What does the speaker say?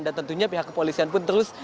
dan tentunya pihak kepolisian pun terus